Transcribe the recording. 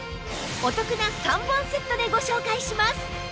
お得な３本セットでご紹介します